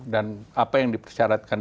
dan apa yang dipersyaratkan